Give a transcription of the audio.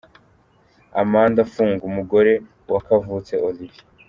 Amanda Fung umugore wa Kavutse Olivier.